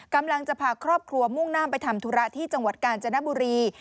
กำลังจะพาครอบครัวมุ่งหน้าไปทำธุระที่จังหวัดกาญจนบุรี